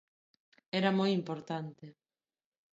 Era moi importante.